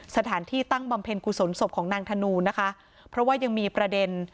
สถานที่ตั้งบำเพ็ญกุศลศพของนางธนูนะคะเพราะว่ายังมีประเด็น